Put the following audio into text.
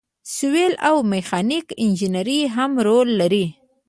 سیول او میخانیکي انجینران هم رول لري.